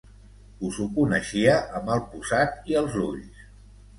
Us ho coneixia amb el posat i els ulls.